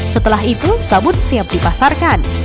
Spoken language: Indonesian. setelah itu sabun siap dipasarkan